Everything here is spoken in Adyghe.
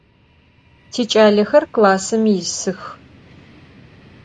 Tiç'alexer klassım yisıx.